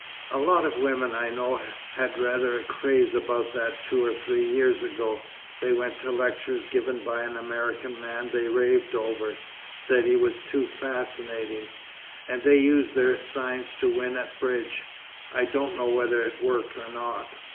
"A lot of women I know had rather a craze about that two or three years ago. They went to lectures given by an American man they raved over said he was 'too fascinating.' And they used their 'science' to win at bridge. I don't know whether it worked or not."